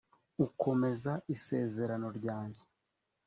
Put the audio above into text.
ukomeze isezerano ryanjye